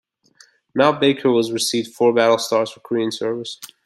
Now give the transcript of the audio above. "Mount Baker" received four battle stars for Korean service.